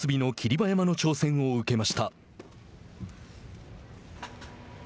馬山の挑戦を受けました。